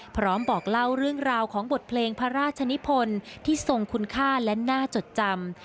บอกเล่าเรื่องราวของบทเพลงพระราชนิพลที่ทรงคุณค่าและน่าจดจำ